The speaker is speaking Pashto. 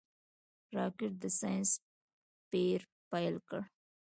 راکټ د ساینس پېر پيل کړ